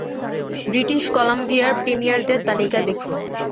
British কলাম্বিয়ার প্রিমিয়ারদের তালিকা দেখুন।